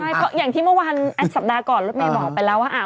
ใช่อย่างที่เมื่อวานอันสัปดาห์ก่อนไม่บอกไปแล้วว่า